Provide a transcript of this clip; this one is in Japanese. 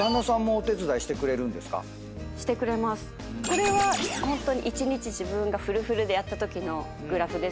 これはホントに一日自分がフルフルでやったときのグラフですけど例えば。